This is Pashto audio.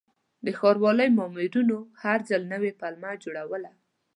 د ښاروالۍ مامورینو هر ځل نوې پلمه جوړوله.